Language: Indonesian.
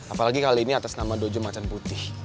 apalagi kali ini atas nama dojeng macan putih